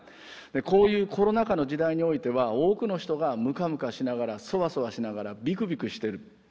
こういうコロナ禍の時代においては多くの人がムカムカしながらそわそわしながらビクビクしてる。